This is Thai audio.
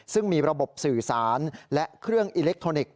ซึ่งมีระบบสื่อสารและเครื่องอิเล็กทรอนิกส